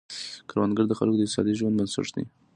کروندګري د خلکو د اقتصادي ژوند بنسټ دی.